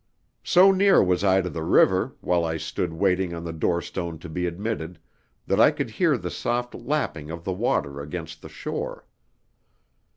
So near was I to the river, while I stood waiting on the door stone to be admitted, that I could hear the soft lapping of the water against the shore.